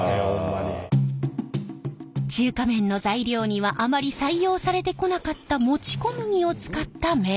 中華麺の材料にはあまり採用されてこなかったもち小麦を使った麺。